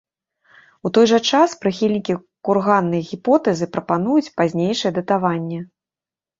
У той жа час, прыхільнікі курганнай гіпотэзы прапануюць пазнейшае датаванне.